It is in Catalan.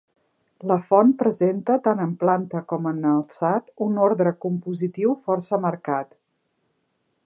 La font presenta tant en planta com en alçat un ordre compositiu força marcat.